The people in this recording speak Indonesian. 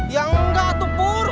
ya nggak atu pur